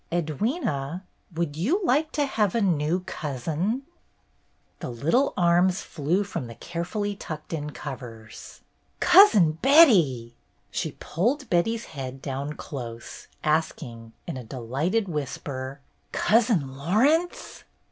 ''Edwyna, would you like to have a new cousin ?" The little arms flew from under the care fully tucked in covers. "Cousin Betty!" She pulled Betty's head down close, asking, in a delighted whisper: "Cousin Laurence?"